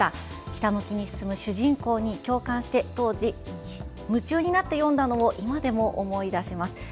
ひたむきに進む主人公に共感して当時、夢中になって読んだのを今でも思い出します。